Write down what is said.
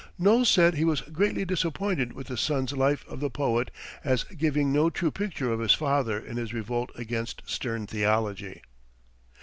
Knowles said he was greatly disappointed with the son's life of the poet as giving no true picture of his father in his revolt against stern theology.